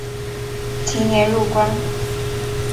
其年入关。